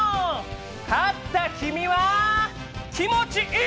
勝った君は気持ちいい！